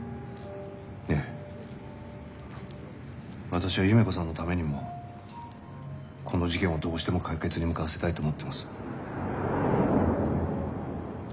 私は夢子さんのためにもこの事件をどうしても解決に向かわせたいと思っています。